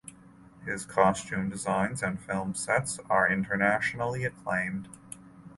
His costume designs and film sets are internationally acclaimed.